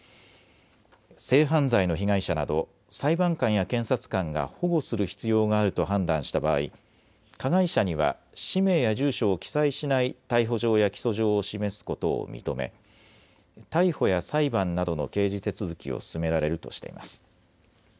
性犯罪の被害者など裁判官や検察官が保護する必要があると判断した場合、加害者には氏名や住所を記載しない逮捕状や起訴状を示すことを認め逮捕や裁判などの刑事手続きを進められるとしています。